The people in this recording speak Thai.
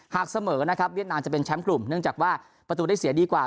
หากเสมอนะครับเวียดนามจะเป็นแชมป์กลุ่มเนื่องจากว่าประตูได้เสียดีกว่า